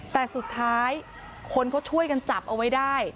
แต่สุดท้ายคนเขาช่วยกันจับเอาไว้ได้